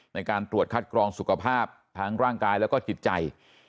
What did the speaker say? ในการตรวจคัดกรองสุขภาพทั้งร่างกายแล้วก็จิตใจ